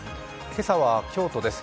今朝は京都です。